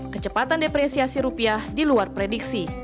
kecepatan depresiasi rupiah diluar prediksi